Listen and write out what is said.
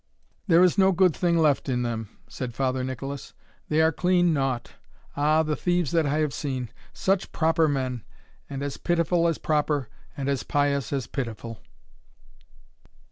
"There is no good thing left in them," said Father Nicolas; "they are clean naught Ah, the thieves that I have seen! such proper men! and as pitiful as proper, and as pious as pitiful!"